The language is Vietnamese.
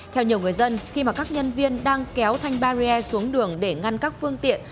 theo nhiều người dân khi mà các nhân viên đang kéo thanh barrier xuống đường để ngăn các phương tiện